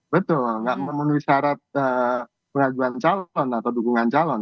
betul nggak memenuhi syarat pengajuan calon atau dukungan calon